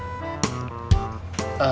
saya denger sih